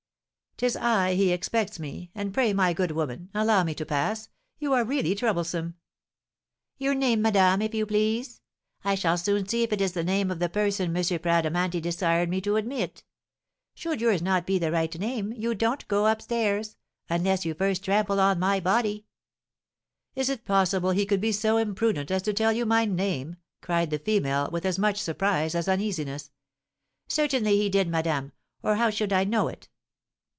"'Tis I, he expects me; and pray, my good woman, allow me to pass; you are really troublesome!" "Your name, madame, if you please? I shall soon see if it is the name of the person M. Bradamanti desired me to admit. Should yours not be the right name, you don't go up stairs, unless you first trample on my body!" "Is it possible he could be so imprudent as to tell you my name?" cried the female, with as much surprise as uneasiness. "Certainly he did, madame, or how should I know it?"